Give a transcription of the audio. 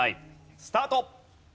スタート！